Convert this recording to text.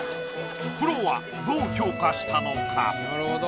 プロはどう評価したのか？